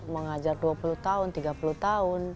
mengajar dua puluh tahun tiga puluh tahun